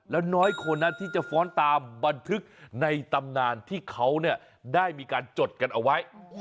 แล้วน้อยคนนั้นที่จะฟ้อนตามบันทึกในตำนานที่เขาได้มีการจดกันเอาไว้